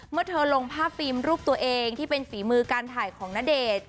เมื่อเธอลงภาพฟิล์มรูปตัวเองที่เป็นฝีมือการถ่ายของณเดชน์